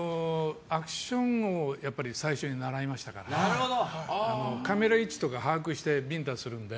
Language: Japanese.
アクションを最初に習いましたからカメラ位置とか把握してビンタするので。